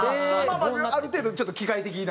ある程度ちょっと機械的な。